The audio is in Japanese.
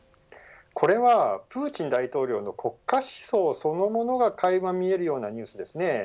これはプーチン大統領の国家思想そのものが垣間見えるようなニュースです。